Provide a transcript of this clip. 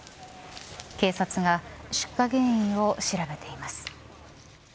警察が出火原因を調べています。